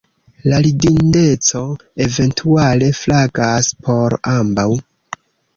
La ridindeco, eventuale, flagas por ambaŭ.